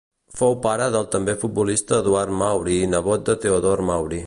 Fou pare del també futbolista Eduard Mauri i nebot de Teodor Mauri.